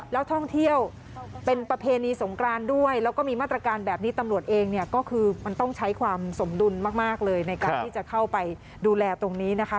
แล้วท่องเที่ยวเป็นประเพณีสงกรานด้วยแล้วก็มีมาตรการแบบนี้ตำรวจเองเนี่ยก็คือมันต้องใช้ความสมดุลมากเลยในการที่จะเข้าไปดูแลตรงนี้นะคะ